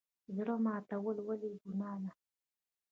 زړه ماتول ولې ګناه ده؟